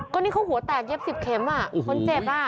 ก็นี่เขาหัวแตกเย็บสิบเข็มอ่ะคนเจ็บอ่ะ